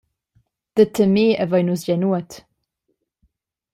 Da temer havein nus gie nuot.